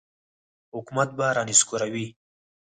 حکومت به را نسکوروي.